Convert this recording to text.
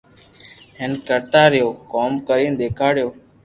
ھين ڪرتا رھيو ڪوم ڪرين ديکاريو